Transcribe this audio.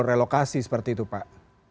relokasi seperti itu pak